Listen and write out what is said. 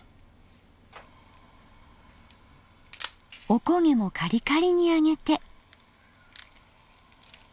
おこげもカリカリに揚げて。